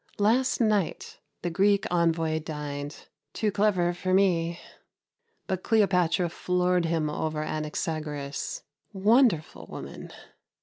Last night the Greek envoy dined. Too clever for me, but Cleopatra floored him over Anaxagoras. Wonderful woman!